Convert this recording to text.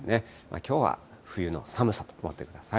きょうは冬の寒さと思ってください。